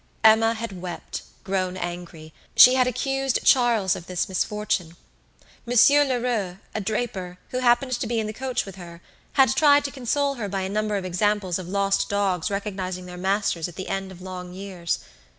Emma had wept, grown angry; she had accused Charles of this misfortune. Monsieur Lheureux, a draper, who happened to be in the coach with her, had tried to console her by a number of examples of lost dogs recognizing their masters at the end of long years.